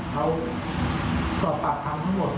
ถึงจะทำความผิดด้วย